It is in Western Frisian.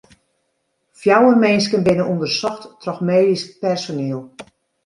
Fjouwer minsken binne ûndersocht troch medysk personiel.